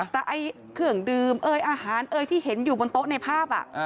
แต่ไอ้เครื่องดื่มเอยอาหารเอยที่เห็นอยู่บนโต๊ะในภาพ